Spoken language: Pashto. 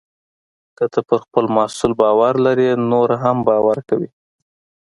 که ته پر خپل محصول باور لرې، نور هم باور کوي.